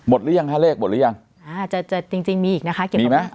หมดรึยังห้าเลขหมดรึยังอ่าจะจะจริงจริงมีอีกนะคะเกี่ยวกับมีไหม